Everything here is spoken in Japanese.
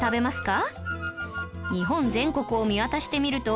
日本全国を見渡してみると